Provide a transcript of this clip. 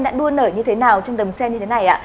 đã đua nở như thế nào trong đầm sen như thế này